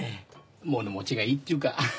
物持ちがいいっていうか。